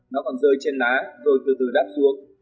nó còn rơi trên lá rồi từ từ đát xuống